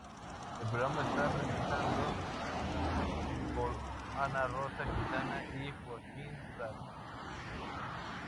El programa está presentado por Ana Rosa Quintana y Joaquín Prat.